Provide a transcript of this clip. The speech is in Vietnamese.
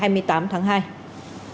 hãy đăng ký kênh để ủng hộ kênh của mình nhé